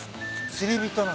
釣り人なの？